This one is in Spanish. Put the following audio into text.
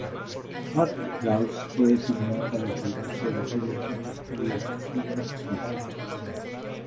Marquet-Krause fue designada para encargarse de los hallazgos descubiertos en las tumbas.